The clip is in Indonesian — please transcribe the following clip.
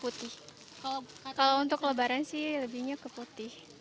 kalau untuk lebaran sih lebihnya ke putih